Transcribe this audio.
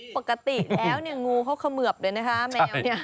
ปกติแล้วเนี่ยงูเขาเขมือบเลยนะคะแมวเนี่ย